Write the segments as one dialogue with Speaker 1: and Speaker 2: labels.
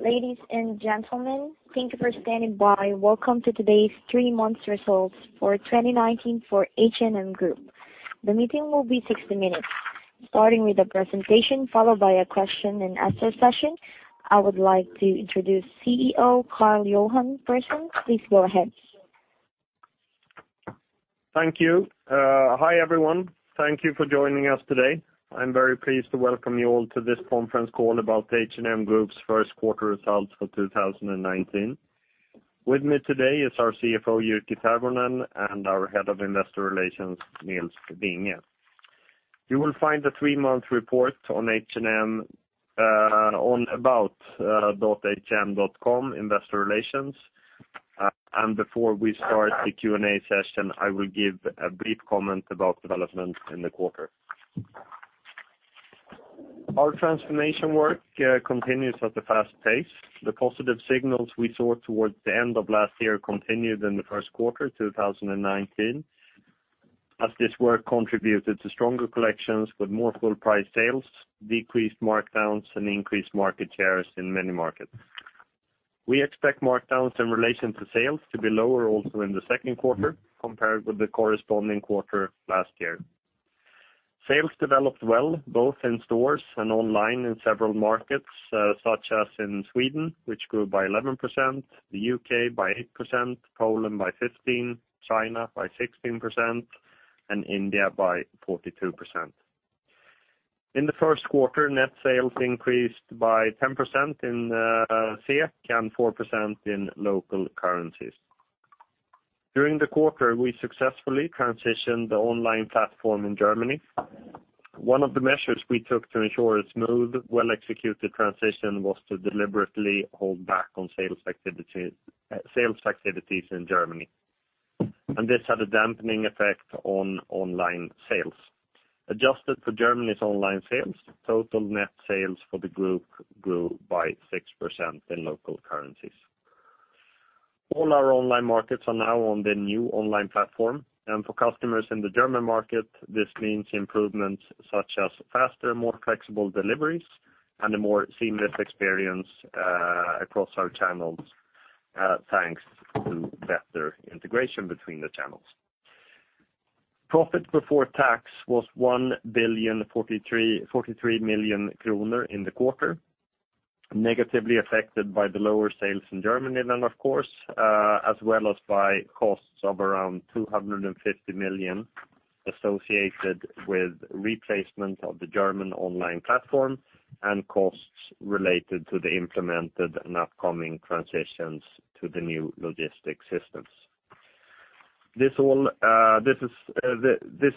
Speaker 1: Ladies and gentlemen, thank you for standing by. Welcome to today's three-month results for 2019 for H&M Group. The meeting will be 60 minutes, starting with a presentation, followed by a question and answer session. I would like to introduce CEO, Karl-Johan Persson. Please go ahead.
Speaker 2: Thank you. Hi, everyone. Thank you for joining us today. I'm very pleased to welcome you all to this conference call about H&M Group's first quarter results for 2019. With me today is our CFO, Jyrki Tervonen, and our Head of Investor Relations, Nils Vinge. You will find the three-month report on H&M on about.hm.com investor relations. Before we start the Q&A session, I will give a brief comment about development in the quarter. Our transformation work continues at a fast pace. The positive signals we saw towards the end of last year continued in the first quarter 2019, as this work contributed to stronger collections with more full price sales, decreased markdowns, and increased market shares in many markets. We expect markdowns in relation to sales to be lower also in the second quarter compared with the corresponding quarter last year. Sales developed well both in stores and online in several markets, such as in Sweden, which grew by 11%, the U.K. by 8%, Poland by 15%, China by 16%, and India by 42%. In the first quarter, net sales increased by 10% in SEK and 4% in local currencies. During the quarter, we successfully transitioned the online platform in Germany. One of the measures we took to ensure a smooth, well-executed transition was to deliberately hold back on sales activities in Germany, this had a dampening effect on online sales. Adjusted for Germany's online sales, total net sales for the group grew by 6% in local currencies. All our online markets are now on the new online platform, and for customers in the German market, this means improvements such as faster, more flexible deliveries and a more seamless experience across our channels, thanks to better integration between the channels. Profit before tax was 1.043 billion in the quarter, negatively affected by the lower sales in Germany, of course, as well as by costs of around 250 million associated with replacement of the German online platform and costs related to the implemented and upcoming transitions to the new logistics systems. This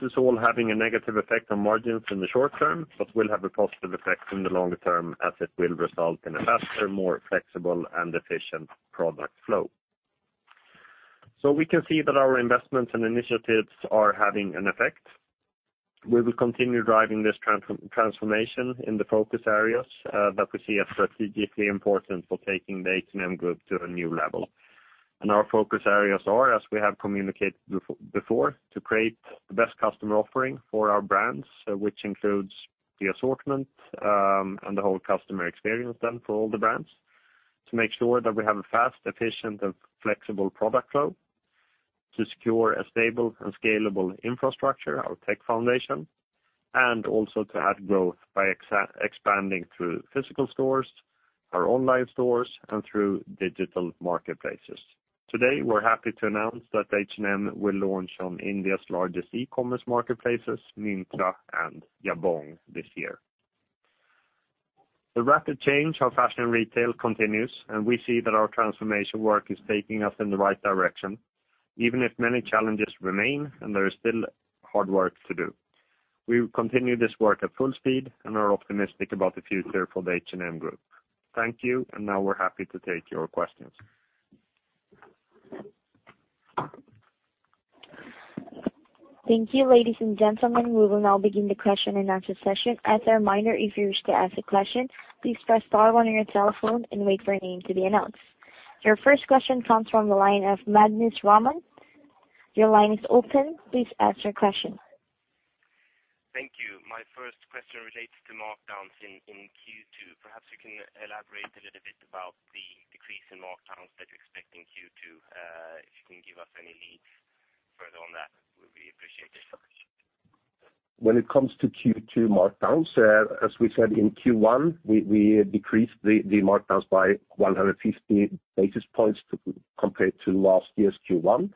Speaker 2: is all having a negative effect on margins in the short term, but will have a positive effect in the longer term as it will result in a faster, more flexible and efficient product flow. We can see that our investments and initiatives are having an effect. We will continue driving this transformation in the focus areas that we see as strategically important for taking the H&M Group to a new level. Our focus areas are, as we have communicated before, to create the best customer offering for our brands, which includes the assortment, and the whole customer experience then for all the brands to make sure that we have a fast, efficient, and flexible product flow to secure a stable and scalable infrastructure, our tech foundation, and also to add growth by expanding through physical stores, our online stores, and through digital marketplaces. Today, we're happy to announce that H&M will launch on India's largest e-commerce marketplaces, Myntra and Jabong this year. The rapid change of fashion retail continues, we see that our transformation work is taking us in the right direction, even if many challenges remain and there is still hard work to do. We will continue this work at full speed and are optimistic about the future for the H&M Group. Thank you. Now we're happy to take your questions.
Speaker 1: Thank you. Ladies and gentlemen, we will now begin the question and answer session. As a reminder, if you wish to ask a question, please press star on your telephone and wait for your name to be announced. Your first question comes from the line of Magnus Olsson. Your line is open. Please ask your question.
Speaker 3: Thank you. My first question relates to markdowns in Q2. Perhaps you can elaborate a little bit about the decrease in markdowns that you expect in Q2. If you can give us any leads further on that, we appreciate it.
Speaker 2: When it comes to Q2 markdowns, as we said in Q1, we decreased the markdowns by 150 basis points compared to last year's Q1.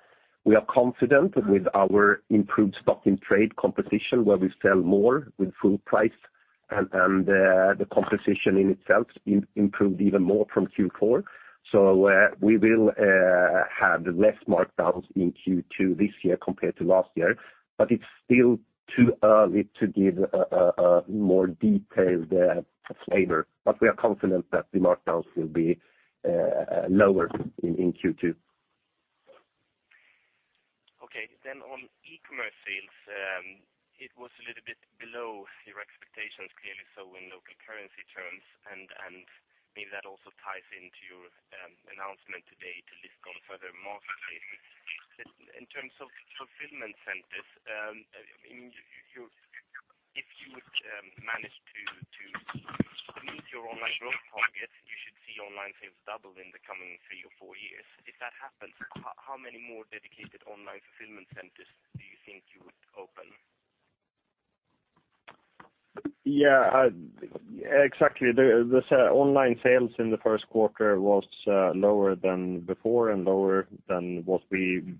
Speaker 2: We are confident with our improved stock in trade composition, where we sell more with full price, and the composition in itself improved even more from Q4. We will have less markdowns in Q2 this year compared to last year, but it's still too early to give a more detailed flavor. We are confident that the markdowns will be lower in Q2.
Speaker 3: On e-commerce sales, it was a little bit below your expectations, clearly so in local currency terms, and maybe that also ties into your announcement today to list on further marketplaces. In terms of fulfillment centers, if you would manage to meet your online growth targets, you should see online sales double in the coming three or four years. If that happens, how many more dedicated online fulfillment centers do you think you would open?
Speaker 2: Exactly. The online sales in the first quarter was lower than before and lower than what we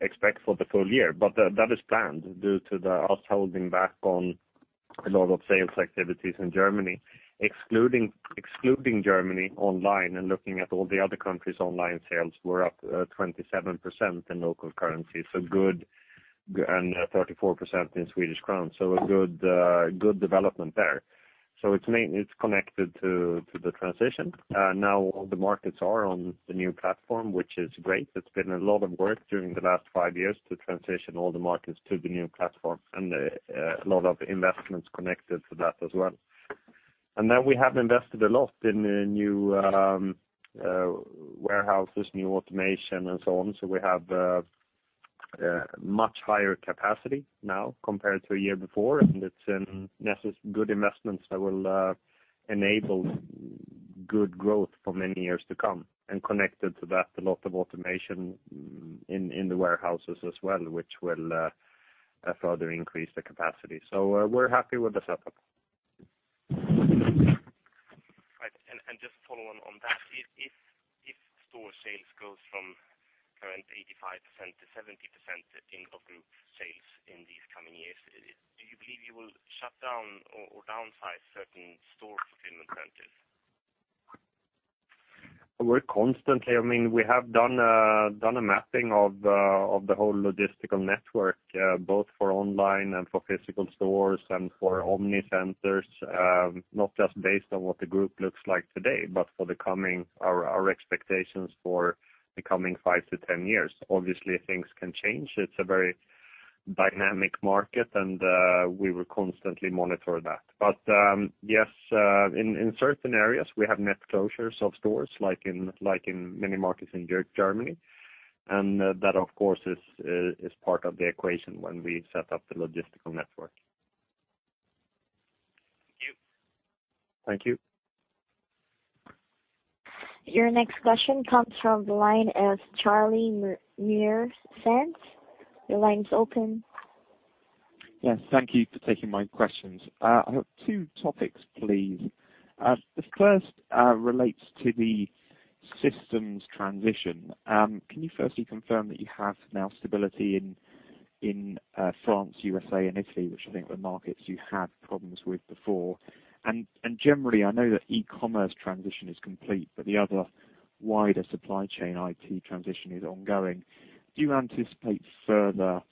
Speaker 2: expect for the full year. That is planned due to us holding back on a lot of sales activities in Germany. Excluding Germany online and looking at all the other countries, online sales were up 27% in local currency, and 34% in Swedish krona. A good development there. It's connected to the transition. Now all the markets are on the new platform, which is great. It's been a lot of work during the last five years to transition all the markets to the new platform, and a lot of investments connected to that as well. We have invested a lot in new warehouses, new automation, and so on. We have a much higher capacity now compared to a year before, and it's good investments that will enable good growth for many years to come, and connected to that, a lot of automation in the warehouses as well, which will further increase the capacity. We're happy with the setup.
Speaker 3: Just following on that, if store sales goes from current 85% to 70% in group sales in these coming years, do you believe you will shut down or downsize certain store fulfillment centers?
Speaker 2: We have done a mapping of the whole logistical network, both for online and for physical stores and for omni-centers, not just based on what the group looks like today, but our expectations for the coming five to 10 years. Obviously, things can change. It's a very dynamic market, and we will constantly monitor that. Yes, in certain areas, we have net closures of stores, like in many markets in Germany. That, of course, is part of the equation when we set up the logistical network.
Speaker 3: Thank you.
Speaker 2: Thank you.
Speaker 1: Your next question comes from the line of Charlie Mears, Sands. Your line is open.
Speaker 4: Yes, thank you for taking my questions. I have two topics, please. The first relates to the systems transition. Can you firstly confirm that you have now stability in France, U.S., and Italy, which I think were markets you had problems with before? Generally, I know that e-commerce transition is complete, but the other wider supply chain IT transition is ongoing. Do you anticipate further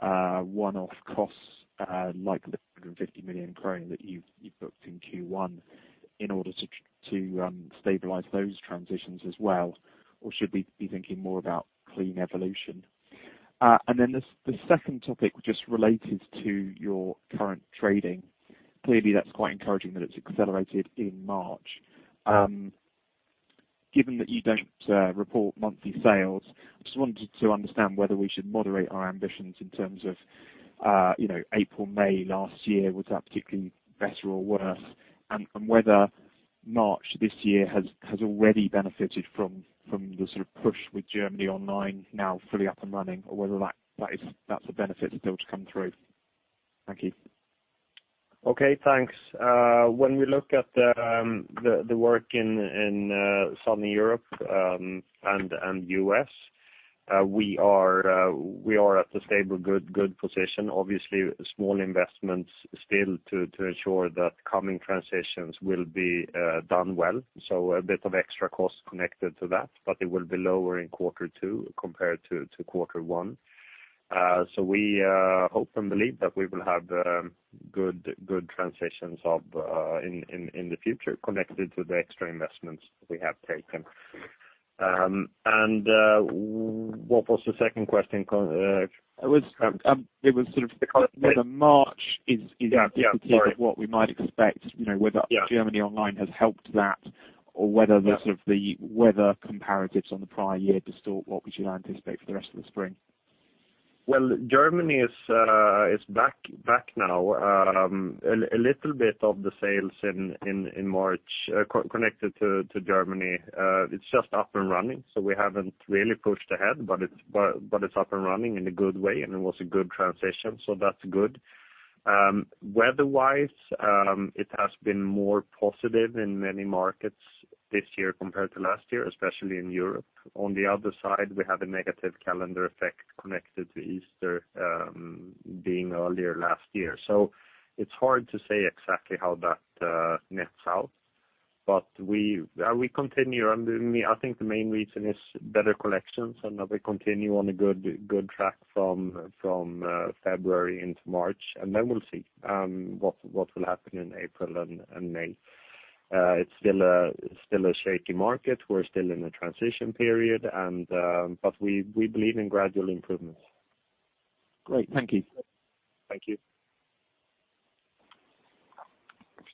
Speaker 4: one-off costs, like the 150 million krona that you've booked in Q1 in order to stabilize those transitions as well? Or should we be thinking more about clean evolution? The second topic, just related to your current trading. Clearly, that's quite encouraging that it's accelerated in March. Given that you don't report monthly sales, I just wanted to understand whether we should moderate our ambitions in terms of April, May last year. Was that particularly better or worse? Whether March this year has already benefited from the sort of push with Germany online now fully up and running, or whether that's a benefit still to come through. Thank you.
Speaker 2: Okay, thanks. When we look at the work in Southern Europe, and U.S., we are at a stable, good position. Obviously, small investments still to ensure that coming transitions will be done well. A bit of extra cost connected to that, but it will be lower in quarter two compared to quarter one. We hope and believe that we will have good transitions in the future connected to the extra investments we have taken. What was the second question?
Speaker 4: It was sort of whether March
Speaker 2: Yeah. Sorry.
Speaker 4: indicative of what we might expect, whether Germany online has helped that or whether the sort of the weather comparatives on the prior year distort what we should anticipate for the rest of the spring.
Speaker 2: Germany is back now. A little bit of the sales in March connected to Germany, it's just up and running, so we haven't really pushed ahead, but it's up and running in a good way, and it was a good transition, so that's good. Weather-wise, it has been more positive in many markets this year compared to last year, especially in Europe. On the other side, we have a negative calendar effect connected to Easter being earlier last year. It's hard to say exactly how that nets out. We continue, and I think the main reason is better collections and that we continue on a good track from February into March, and then we'll see what will happen in April and May. It's still a shaky market. We're still in a transition period, but we believe in gradual improvements.
Speaker 4: Great. Thank you.
Speaker 2: Thank you.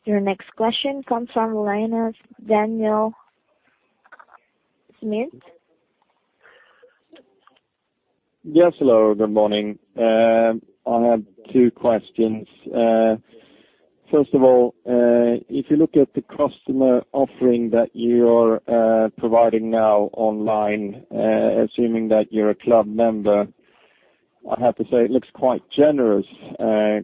Speaker 1: Your next question comes from the line of Daniel Erver.
Speaker 5: Yes, hello, good morning. I have two questions. First of all, if you look at the customer offering that you're providing now online, assuming that you're a club member, I have to say it looks quite generous,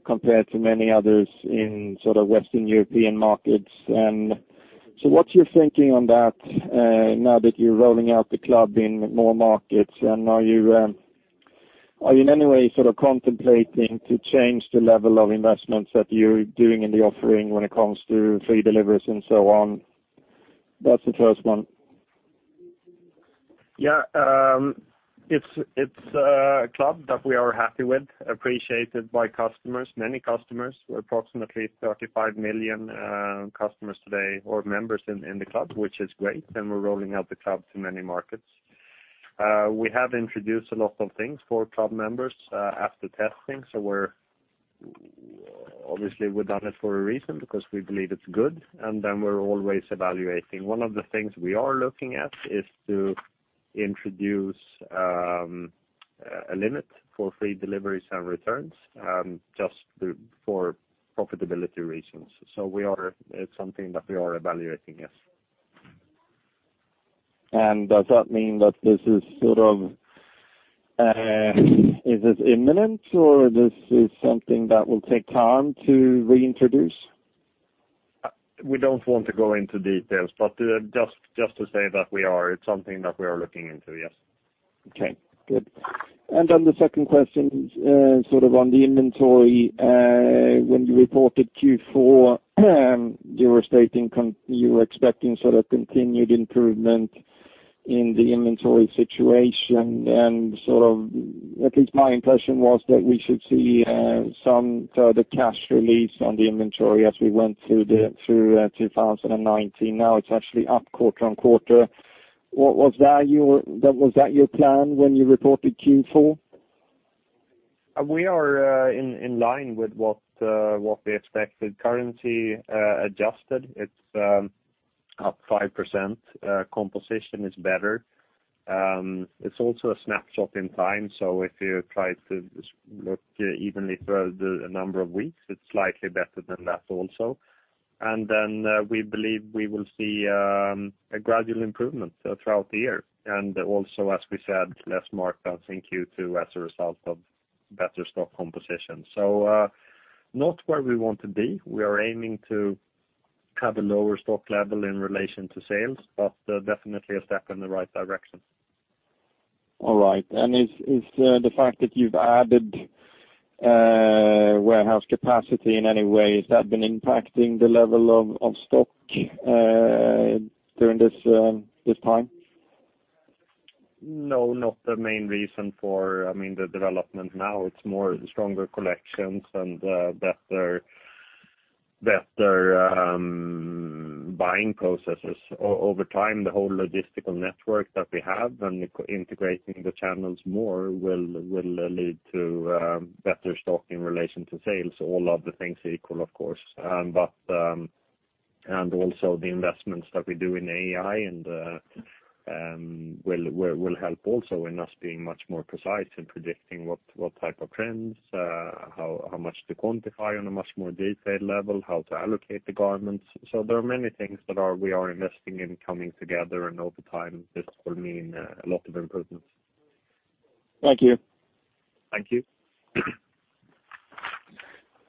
Speaker 5: compared to many others in Western European markets. What's your thinking on that, now that you're rolling out the club in more markets, and are you in any way contemplating to change the level of investments that you're doing in the offering when it comes to free deliveries and so on? That's the first one.
Speaker 2: Yeah. It's a club that we are happy with, appreciated by many customers. We're approximately 35 million customers today, or members in the club, which is great, and we're rolling out the club to many markets. We have introduced a lot of things for club members, after testing. Obviously, we've done it for a reason, because we believe it's good, and then we're always evaluating. One of the things we are looking at is to introduce a limit for free deliveries and returns, just for profitability reasons. It's something that we are evaluating, yes.
Speaker 5: Does that mean that this is imminent, or this is something that will take time to reintroduce?
Speaker 2: We don't want to go into details, just to say that it's something that we are looking into, yes.
Speaker 5: Okay, good. The second question is on the inventory. When you reported Q4, you were expecting continued improvement in the inventory situation. At least my impression was that we should see some further cash release on the inventory as we went through 2019. Now it's actually up quarter-on-quarter. Was that your plan when you reported Q4?
Speaker 2: We are in line with what we expected. Currency-adjusted, it is up 5%. Composition is better. It is also a snapshot in time, so if you try to look evenly through the number of weeks, it is slightly better than that also. We believe we will see a gradual improvement throughout the year. Also, as we said, less markdowns in Q2 as a result of better stock composition. Not where we want to be. We are aiming to have a lower stock level in relation to sales, but definitely a step in the right direction.
Speaker 5: All right, is the fact that you've added warehouse capacity in any way, has that been impacting the level of stock during this time?
Speaker 2: No, not the main reason for the development now. It's more stronger collections and better buying processes. Over time, the whole logistical network that we have and integrating the channels more will lead to better stock in relation to sales. All other things equal, of course. Also the investments that we do in AI will help also in us being much more precise in predicting what type of trends, how much to quantify on a much more detailed level, how to allocate the garments. There are many things that we are investing in coming together, over time this will mean a lot of improvements.
Speaker 5: Thank you.
Speaker 2: Thank you.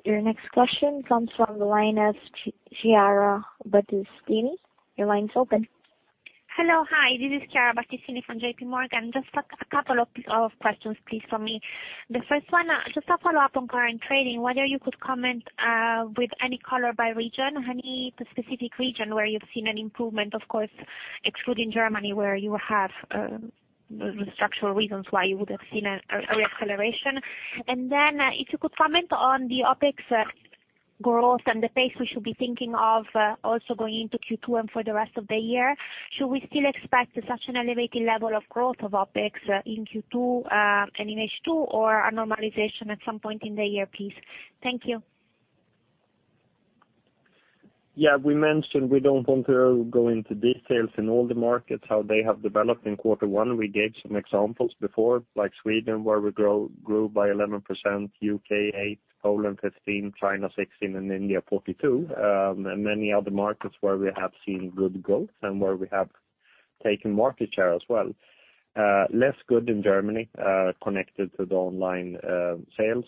Speaker 1: Your next question comes from the line of Chiara Battistini. Your line's open.
Speaker 6: Hello. Hi, this is Chiara Battistini from JPMorgan. Just a couple of questions, please, from me. The first one, just a follow-up on current trading, whether you could comment with any color by region, any specific region where you've seen an improvement, of course, excluding Germany, where you have structural reasons why you would have seen a re-acceleration. Then, if you could comment on the OpEx growth and the pace we should be thinking of also going into Q2 and for the rest of the year. Should we still expect such an elevated level of growth of OpEx in Q2 and in H2, or a normalization at some point in the year, please? Thank you.
Speaker 2: Yeah, we mentioned we don't want to go into details in all the markets, how they have developed in quarter one. We gave some examples before, like Sweden, where we grew by 11%, U.K. 8%, Poland 15%, China 16%, and India 42%. Many other markets where we have seen good growth and where we have taken market share as well. Less good in Germany, connected to the online sales.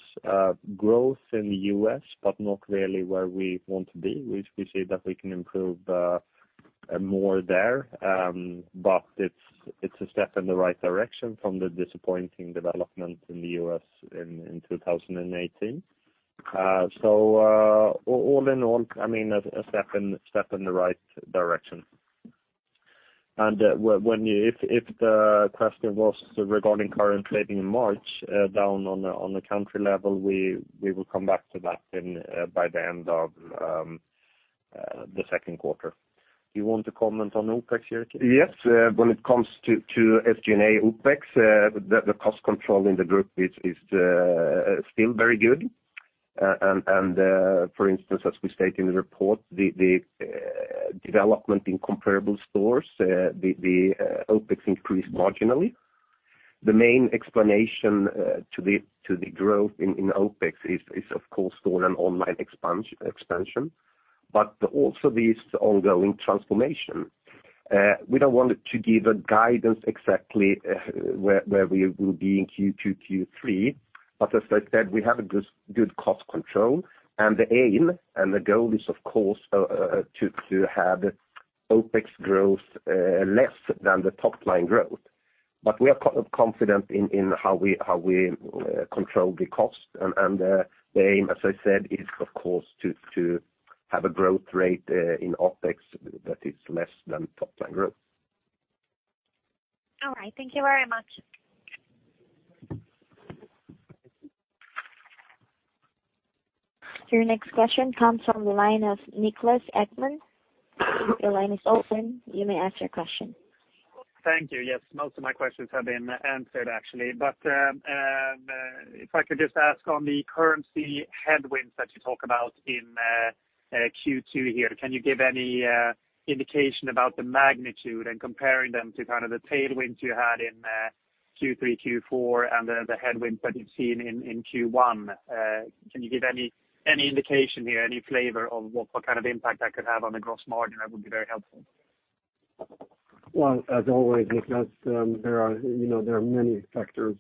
Speaker 2: Growth in the U.S., but not really where we want to be, which we see that we can improve more there. It's a step in the right direction from the disappointing development in the U.S. in 2018. All in all, a step in the right direction. If the question was regarding current trading in March, down on the country level, we will come back to that by the end of the second quarter. You want to comment on the OPEX, Jyrki?
Speaker 7: Yes. When it comes to SG&A OPEX, the cost control in the group is still very good. For instance, as we state in the report, the development in comparable stores, the OPEX increased marginally. The main explanation to the growth in OPEX is, of course, store and online expansion. Also this ongoing transformation. We don't want to give a guidance exactly where we will be in Q2, Q3, but as I said, we have a good cost control and the aim and the goal is, of course, to have OPEX growth less than the top-line growth. We are confident in how we control the cost and the aim, as I said, is of course, to have a growth rate in OPEX that is less than top-line growth. All right. Thank you very much.
Speaker 1: Your next question comes from the line of Niklas Ekman. Your line is open. You may ask your question.
Speaker 8: Thank you. Yes. Most of my questions have been answered, actually. If I could just ask on the currency headwinds that you talk about in Q2 here. Can you give any indication about the magnitude and comparing them to kind of the tailwinds you had in Q3, Q4, and the headwinds that you've seen in Q1? Can you give any indication here, any flavor of what kind of impact that could have on the gross margin? That would be very helpful.
Speaker 2: Well, as always, Niklas, there are many factors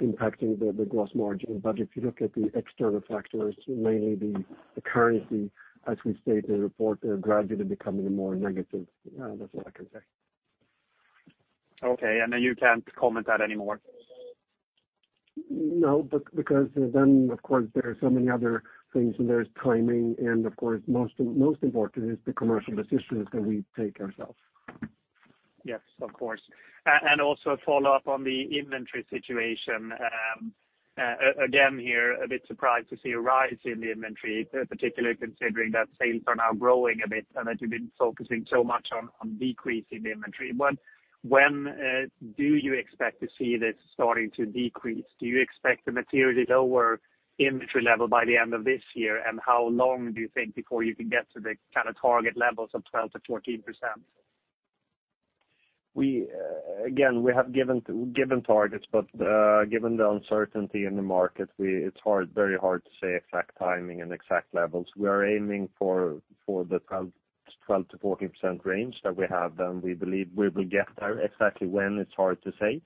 Speaker 2: impacting the gross margin. If you look at the external factors, mainly the currency, as we state in the report, they're gradually becoming more negative. That's all I can say.
Speaker 8: Okay, you can't comment that anymore?
Speaker 2: No, of course, there are so many other things, there's timing, of course, most important is the commercial decisions that we take ourselves.
Speaker 8: Yes, of course. Also a follow-up on the inventory situation. Again here, a bit surprised to see a rise in the inventory, particularly considering that sales are now growing a bit and that you've been focusing so much on decreasing the inventory. When do you expect to see this starting to decrease? Do you expect a materially lower inventory level by the end of this year? How long do you think before you can get to the kind of target levels of 12%-14%?
Speaker 2: Again, we have given targets, but given the uncertainty in the market, it's very hard to say exact timing and exact levels. We are aiming for the 12%-14% range that we have, and we believe we will get there. Exactly when, it's hard to say.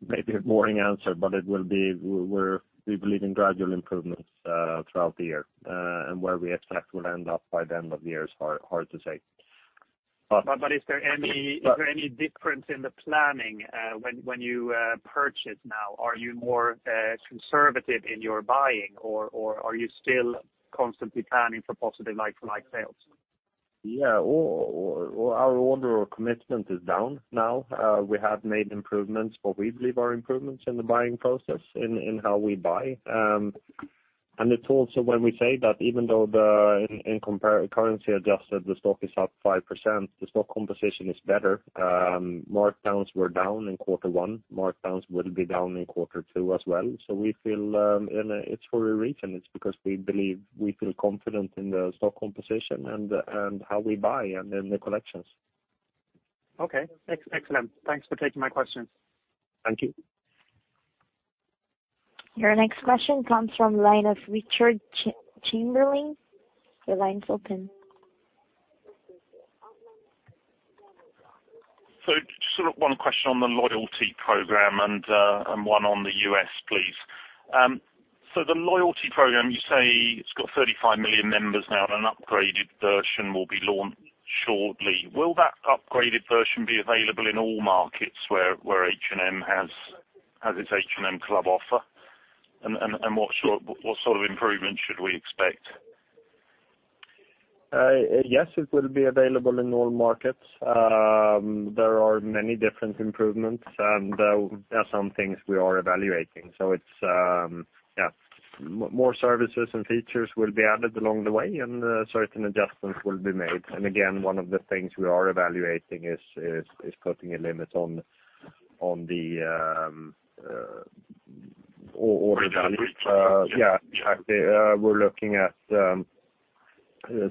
Speaker 2: Maybe a boring answer, but we believe in gradual improvements throughout the year. Where we expect we'll end up by the end of the year is hard to say.
Speaker 8: Is there any difference in the planning when you purchase now? Are you more conservative in your buying, or are you still constantly planning for positive like-for-like sales?
Speaker 2: Our order or commitment is down now. We have made improvements for we believe are improvements in the buying process, in how we buy. It's also when we say that even though in currency adjusted, the stock is up 5%, the stock composition is better. Markdowns were down in quarter one. Markdowns will be down in quarter two as well. It's for a reason. It's because we believe we feel confident in the stock composition and how we buy and in the collections.
Speaker 8: Excellent. Thanks for taking my questions.
Speaker 2: Thank you.
Speaker 1: Your next question comes from the line of Richard Chamberlain. Your line is open.
Speaker 9: Just one question on the loyalty program and one on the U.S., please. The loyalty program, you say it's got 35 million members now and an upgraded version will be launched shortly. Will that upgraded version be available in all markets where H&M has its H&M Member offer? What sort of improvement should we expect?
Speaker 2: Yes, it will be available in all markets. There are many different improvements, and there are some things we are evaluating. More services and features will be added along the way, and certain adjustments will be made. Again, one of the things we are evaluating is putting a limit on the order. Yeah, exactly. We're looking at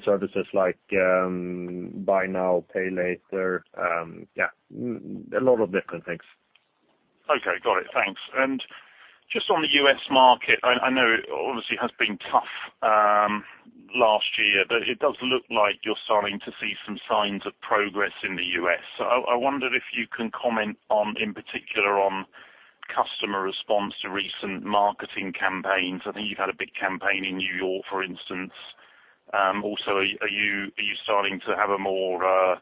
Speaker 2: services like buy now, pay later. Yeah, a lot of different things.
Speaker 9: Okay. Got it. Thanks. Just on the U.S. market, I know obviously it has been tough last year, but it does look like you're starting to see some signs of progress in the U.S. I wondered if you can comment in particular on customer response to recent marketing campaigns. I think you've had a big campaign in New York, for instance. Also, are you starting to have a more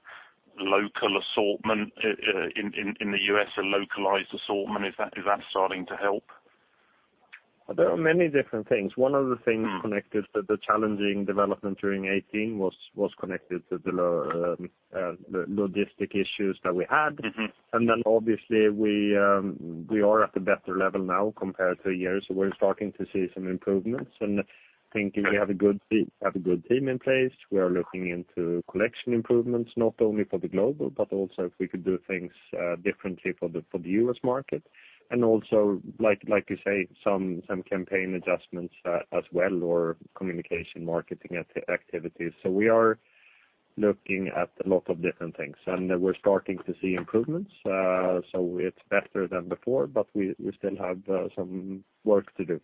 Speaker 9: local assortment in the U.S., a localized assortment? Is that starting to help?
Speaker 2: There are many different things. One of the things connected to the challenging development during 2018 was connected to the logistics issues that we had. Obviously, we are at a better level now compared to a year, we're starting to see some improvements. I think we have a good team in place. We are looking into collection improvements, not only for the global, but also if we could do things differently for the U.S. market. Also, like you say, some campaign adjustments as well, or communication marketing activities. We are looking at a lot of different things. We're starting to see improvements. It's better than before, but we still have some work to do.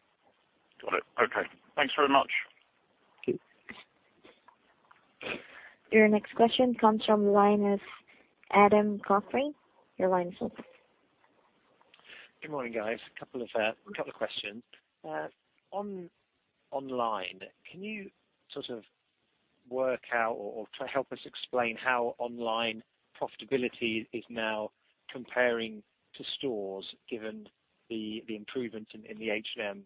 Speaker 9: Got it. Okay. Thanks very much.
Speaker 2: Thank you.
Speaker 1: Your next question comes from the line of Adam Karlsson. Your line is open.
Speaker 10: Good morning, guys. A couple of questions. On online, can you sort of work out or help us explain how online profitability is now comparing to stores, given the improvements in the H&M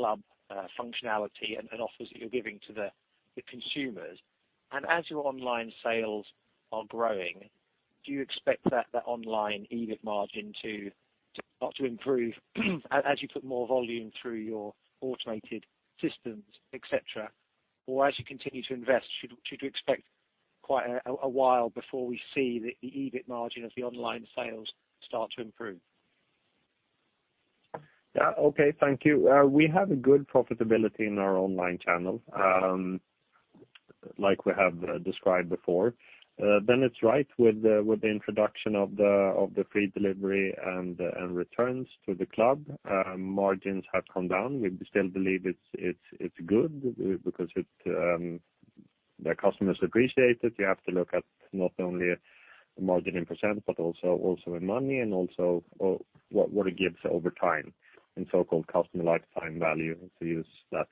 Speaker 10: Member functionality and offers that you're giving to the consumers? As your online sales are growing, do you expect that online EBIT margin to start to improve as you put more volume through your automated systems, et cetera? As you continue to invest, should you expect quite a while before we see the EBIT margin of the online sales start to improve?
Speaker 2: Yeah. Okay, thank you. We have a good profitability in our online channel, like we have described before. It's right with the introduction of the free delivery and returns to the club. Margins have come down. We still believe it's good because the customers appreciate it. You have to look at not only margin in % but also in money and also what it gives over time in so-called customer lifetime value, to use that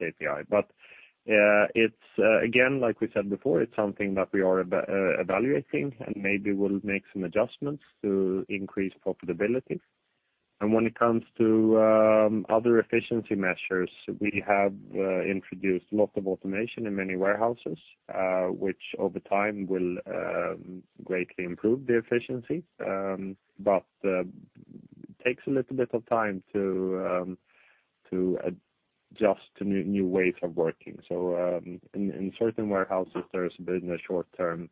Speaker 2: KPI. It's, again, like we said before, it's something that we are evaluating, and maybe we'll make some adjustments to increase profitability. When it comes to other efficiency measures, we have introduced a lot of automation in many warehouses, which over time will greatly improve the efficiency. It takes a little bit of time to adjust to new ways of working. In certain warehouses, there's been a short-term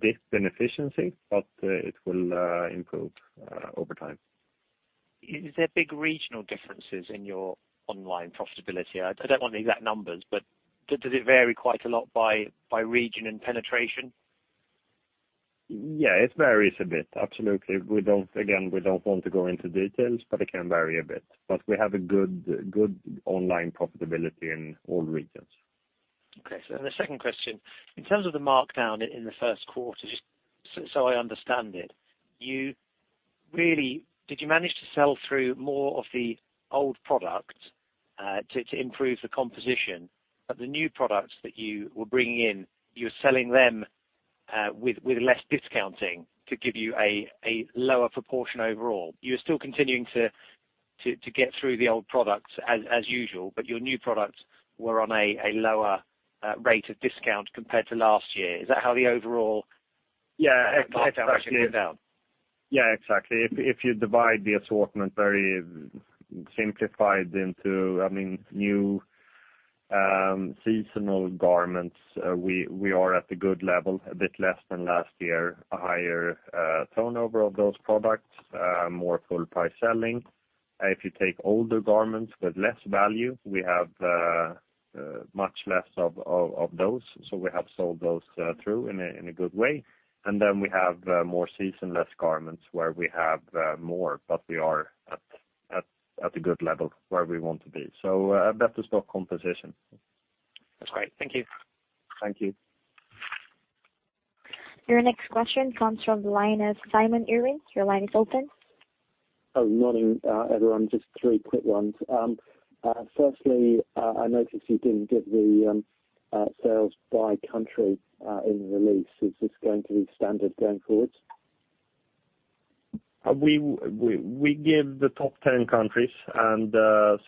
Speaker 2: dip in efficiency. It will improve over time.
Speaker 10: Is there big regional differences in your online profitability? I don't want the exact numbers, but does it vary quite a lot by region and penetration?
Speaker 2: It varies a bit. Absolutely. Again, we don't want to go into details, but it can vary a bit. We have a good online profitability in all regions.
Speaker 10: Then the second question, in terms of the markdown in the first quarter, just so I understand it, did you manage to sell through more of the old product to improve the composition of the new products that you were bringing in, you were selling them with less discounting to give you a lower proportion overall? You were still continuing to get through the old products as usual, but your new products were on a lower rate of discount compared to last year. Is that how the overall-
Speaker 2: Yeah, exactly
Speaker 10: markdown actually went down?
Speaker 2: Yeah, exactly. If you divide the assortment very simplified into new seasonal garments, we are at a good level, a bit less than last year. A higher turnover of those products, more full price selling. If you take older garments with less value, we have much less of those. We have sold those through in a good way. We have more season-less garments where we have more, but we are at a good level where we want to be. A better stock composition.
Speaker 10: That's great. Thank you.
Speaker 2: Thank you.
Speaker 1: Your next question comes from the line of Simon Irwin. Your line is open.
Speaker 11: Oh, morning, everyone. Just three quick ones. Firstly, I noticed you didn't give the sales by country in the release. Is this going to be standard going forwards?
Speaker 2: We give the top 10 countries and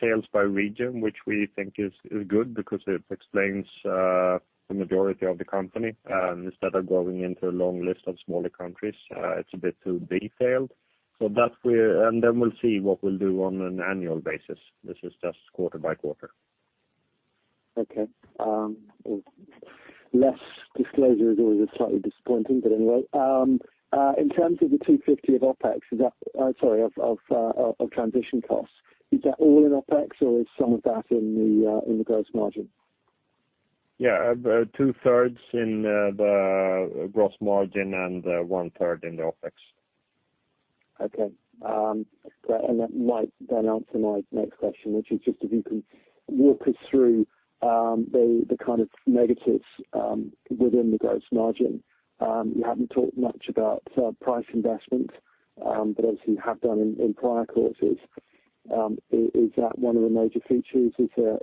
Speaker 2: sales by region, which we think is good because it explains the majority of the company. Instead of going into a long list of smaller countries, it's a bit too detailed. Then we'll see what we'll do on an annual basis. This is just quarter by quarter.
Speaker 11: Okay. Less disclosure is always slightly disappointing, but anyway. In terms of the 250 of transition costs, is that all in OpEx, or is some of that in the gross margin?
Speaker 2: Yeah. Two-thirds in the gross margin and one-third in the OpEx.
Speaker 11: Okay. That might then answer my next question, which is just if you can walk us through the kind of negatives within the gross margin. You haven't talked much about price investment, but as you have done in prior quarters, is that one of the major features? Are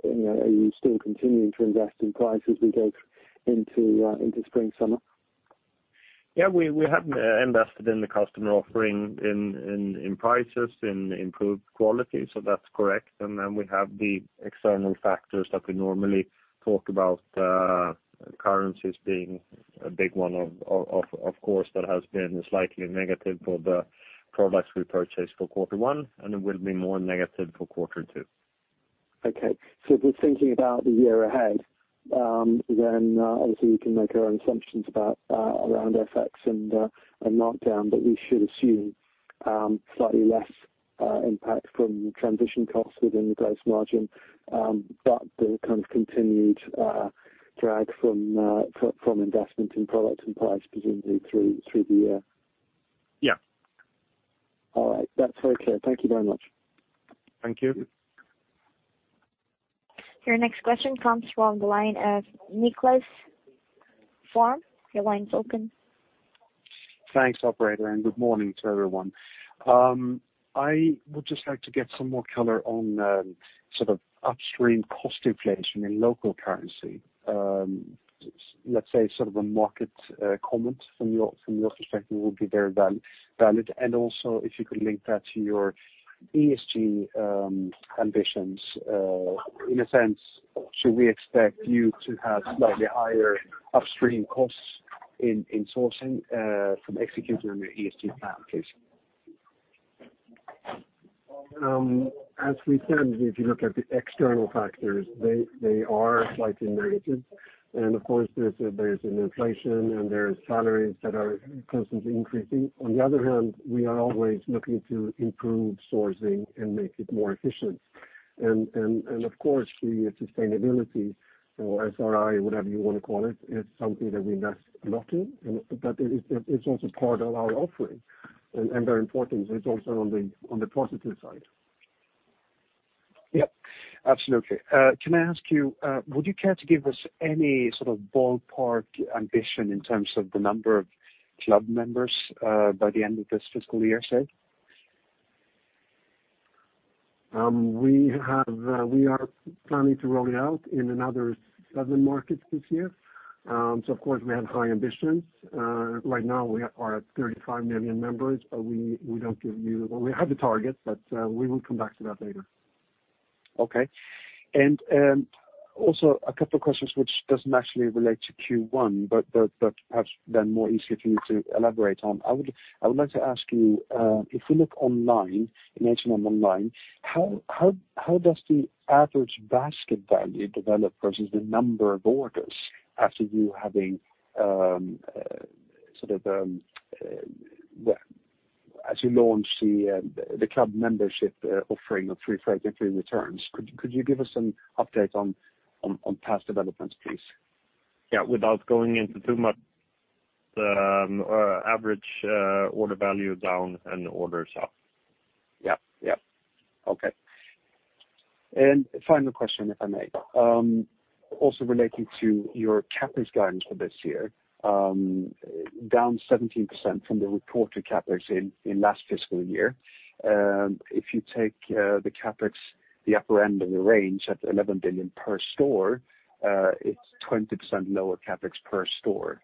Speaker 11: you still continuing to invest in price as we go into spring-summer?
Speaker 2: Yeah, we have invested in the customer offering, in prices, in improved quality. That's correct. Then we have the external factors that we normally talk about, currencies being a big one, of course, that has been slightly negative for the products we purchased for quarter one, and it will be more negative for quarter two.
Speaker 11: Okay. If we're thinking about the year ahead, obviously we can make our own assumptions around FX and knockdown, we should assume slightly less impact from transition costs within the gross margin, the kind of continued drag from investment in product and price, presumably through the year.
Speaker 2: Yeah.
Speaker 11: All right. That's very clear. Thank you very much.
Speaker 2: Thank you.
Speaker 1: Your next question comes from the line of Niklas Formå. Your line's open.
Speaker 12: Thanks, operator, and good morning to everyone. I would just like to get some more color on sort of upstream cost inflation in local currency. Let's say sort of a market comment from your perspective would be very valid. Also, if you could link that to your ESG ambitions. In a sense, should we expect you to have slightly higher upstream costs in sourcing from executing on your ESG plan, please?
Speaker 7: As we said, if you look at the external factors, they are slightly negative. Of course, there's an inflation and there are salaries that are constantly increasing. On the other hand, we are always looking to improve sourcing and make it more efficient. Of course, the sustainability or SRI, whatever you want to call it, is something that we invest a lot in, but it's also part of our offering. Very important, it's also on the positive side.
Speaker 12: Yep. Absolutely. Can I ask you, would you care to give us any sort of ballpark ambition in terms of the number of club members, by the end of this fiscal year, say?
Speaker 7: We are planning to roll it out in another seven markets this year. Of course, we have high ambitions. Right now we are at 35 million members. Well, we have a target. We will come back to that later.
Speaker 12: Okay. Also a couple questions which doesn't actually relate to Q1, but perhaps then more easily for you to elaborate on. I would like to ask you, if we look online, in H&M online, how does the average basket value develop versus the number of orders as you launch the H&M Member offering of free delivery and free returns? Could you give us an update on past developments, please?
Speaker 2: Yeah. Without going into too much, the average order value down and orders up.
Speaker 12: Yep. Okay. Final question, if I may. Also relating to your CapEx guidance for this year, down 17% from the reported CapEx in last fiscal year. If you take the CapEx, the upper end of the range at 11 billion per store, it's 20% lower CapEx per store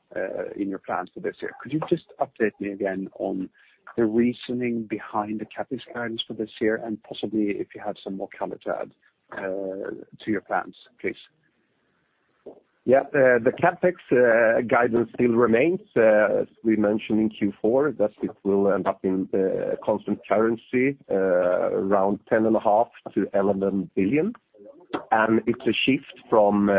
Speaker 12: in your plans for this year. Could you just update me again on the reasoning behind the CapEx guidance for this year and possibly if you have some more color to add to your plans, please?
Speaker 2: Yeah. The CapEx guidance still remains. As we mentioned in Q4, that it will end up in constant currency around 10.5 billion-11 billion. It's a shift from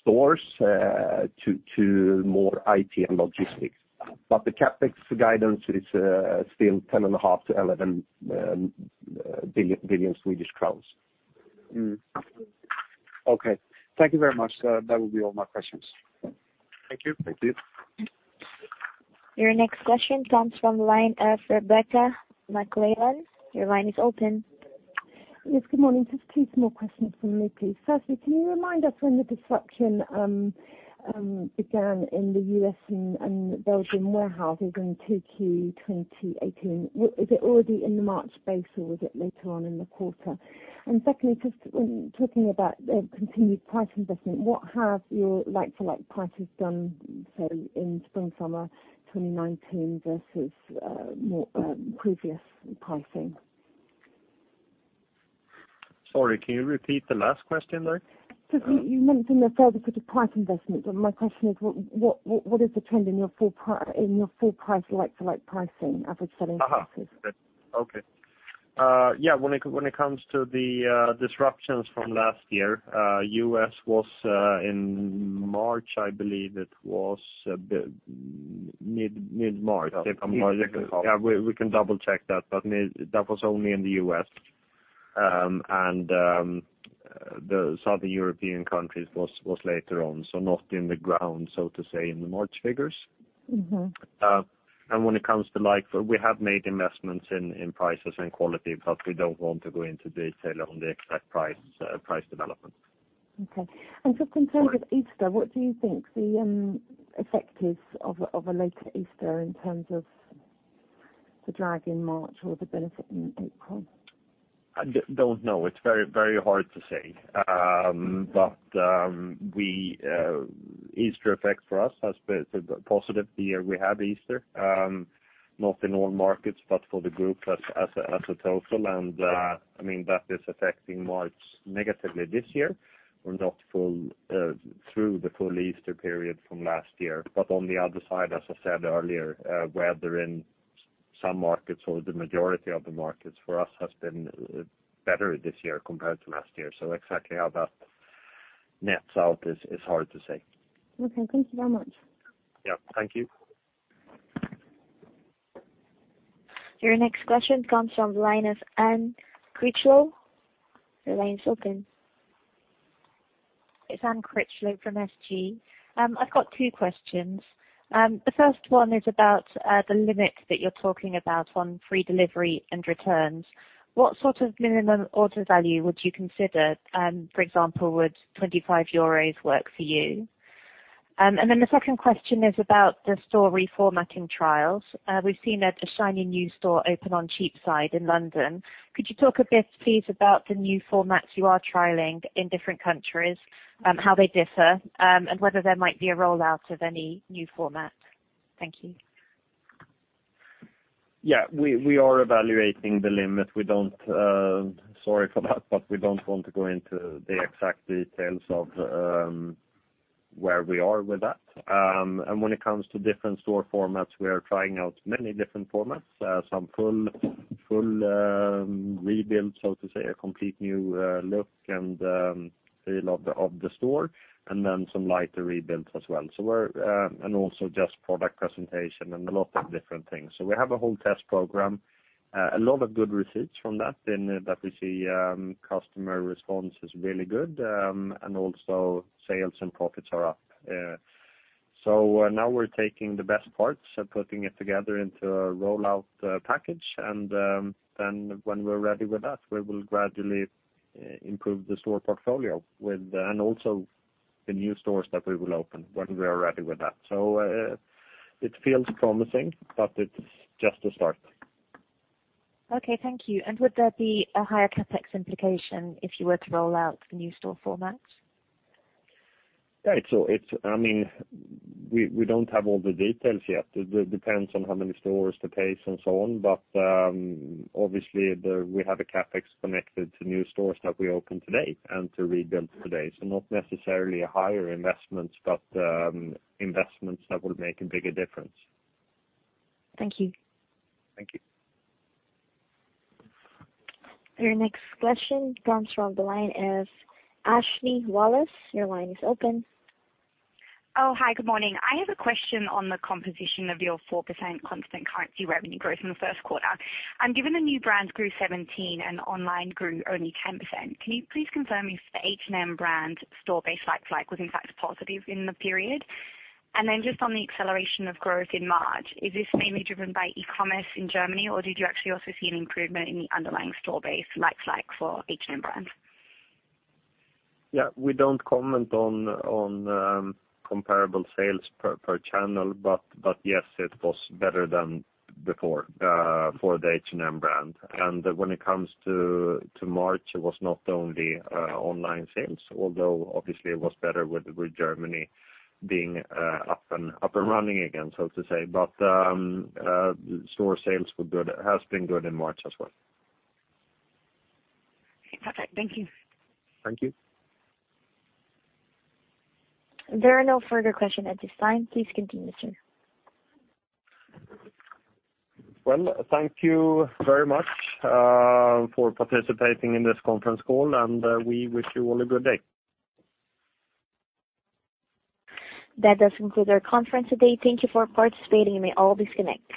Speaker 2: stores to more IT and logistics. The CapEx guidance is still 10.5 billion-11 billion Swedish crowns.
Speaker 12: Okay. Thank you very much. That would be all my questions.
Speaker 2: Thank you.
Speaker 7: Thank you.
Speaker 1: Your next question comes from the line of Rebecca McClellan. Your line is open.
Speaker 13: Yes, good morning. Just two small questions from me, please. Firstly, can you remind us when the disruption began in the U.S. and Belgium warehouses in 2Q 2018? Is it already in the March base or was it later on in the quarter? Secondly, just when talking about the continued price investment, what have your like-for-like prices done, say, in spring, summer 2019 versus previous pricing?
Speaker 2: Sorry, can you repeat the last question there?
Speaker 13: Just you mentioned a further sort of price investment. My question is, what is the trend in your full like-for-like pricing, average selling prices?
Speaker 2: Okay. When it comes to the disruptions from last year, U.S. was in March, I believe it was mid-March.
Speaker 7: Yeah. Mid-March.
Speaker 2: We can double-check that, but that was only in the U.S. The Southern European countries was later on, so not in the ground, so to say, in the March figures. When it comes to like, we have made investments in prices and quality, but we don't want to go into detail on the exact price development.
Speaker 13: Okay. Just in terms of Easter, what do you think the effect is of a later Easter in terms of the drag in March or the benefit in April?
Speaker 2: I don't know. It is very hard to say. Easter effect for us has been positive the year we have Easter. Not in all markets, but for the group as a total. That is affecting March negatively this year. We are not through the full Easter period from last year. On the other side, as I said earlier, weather in some markets or the majority of the markets for us has been better this year compared to last year. Exactly how that nets out is hard to say.
Speaker 13: Okay. Thank you very much.
Speaker 2: Yeah. Thank you.
Speaker 1: Your next question comes from the line of Anne Critchlow. Your line is open.
Speaker 14: It's Anne Critchlow from SG. I've got two questions. The first one is about the limit that you're talking about on free delivery and returns. What sort of minimum order value would you consider? For example, would 25 euros work for you? The second question is about the store reformatting trials. We've seen a shiny new store open on Cheapside in London. Could you talk a bit, please, about the new formats you are trialing in different countries, how they differ, and whether there might be a rollout of any new format? Thank you.
Speaker 2: Yeah, we are evaluating the limit. Sorry for that, but we don't want to go into the exact details of where we are with that. When it comes to different store formats, we are trying out many different formats. Some full rebuild, so to say, a complete new look and feel of the store, then some lighter rebuilds as well. Also just product presentation and a lot of different things. We have a whole test program. A lot of good receipts from that we see customer response is really good, and also sales and profits are up. Now we're taking the best parts and putting it together into a rollout package. When we're ready with that, we will gradually improve the store portfolio and also the new stores that we will open when we are ready with that. It feels promising, but it's just a start.
Speaker 14: Okay, thank you. Would there be a higher CapEx implication if you were to roll out the new store formats?
Speaker 2: We don't have all the details yet. It depends on how many stores, the pace, and so on. Obviously, we have a CapEx connected to new stores that we open today and to rebuild today. Not necessarily higher investments, but investments that will make a bigger difference.
Speaker 14: Thank you.
Speaker 2: Thank you.
Speaker 1: Your next question comes from the line of Ashley Wallace. Your line is open.
Speaker 15: Oh, hi. Good morning. I have a question on the composition of your 4% constant currency revenue growth in the first quarter. Given the new brands grew 17% and online grew only 10%, can you please confirm if the H&M brand store-based like-to-like was in fact positive in the period? Just on the acceleration of growth in March, is this mainly driven by e-commerce in Germany, or did you actually also see an improvement in the underlying store base like-to-like for H&M brands?
Speaker 2: Yeah, we don't comment on comparable sales per channel, but yes, it was better than before for the H&M brand. When it comes to March, it was not only online sales, although obviously it was better with Germany being up and running again, so to say. Store sales has been good in March as well.
Speaker 15: Okay, perfect. Thank you.
Speaker 2: Thank you.
Speaker 1: There are no further questions at this time. Please continue, sir.
Speaker 2: Well, thank you very much for participating in this conference call, and we wish you all a good day.
Speaker 1: That does conclude our conference today. Thank you for participating. You may all disconnect.